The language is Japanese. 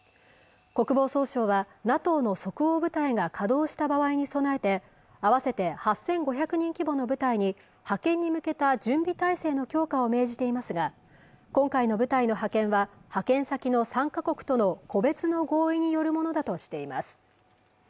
国防総省はＮＡＴＯの即応部隊が稼働した場合に備えて合わせて８５００人規模の部隊に派遣に向けた準備体制の強化を命じていますが今回の部隊の派遣は派遣先の３か国との個別の合意によるものだとしています